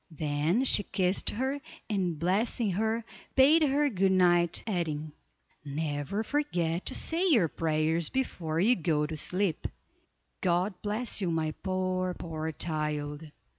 Then she kissed her, and blessing her, bade her good night, adding: "Never forget to say your prayers before you go to sleep. God bless you, my poor, poor child."